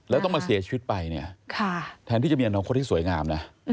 แล้วต้องมาเสียชีวิตไปแทนที่จะมีอันดังคนที่สวยงาม